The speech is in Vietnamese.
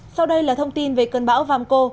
sau đây là thông tin về cơn bão vamco